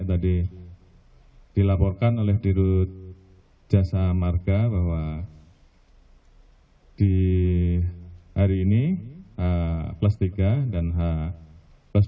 tadi dilaporkan oleh dirut jasa marga bahwa di hari ini h tiga dan h plus